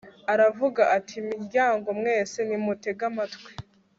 aravuga. ati miryango mwese, nimutege amatwi